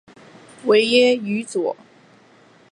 维耶于佐。